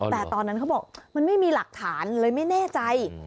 แต่ตอนนั้นเขาบอกมันไม่มีหลักฐานเลยไม่แน่ใจ